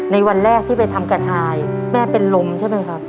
วันแรกที่ไปทำกระชายแม่เป็นลมใช่ไหมครับ